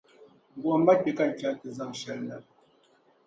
Guhimi ma kpɛ ka n chaŋ nti zaŋ shɛli na.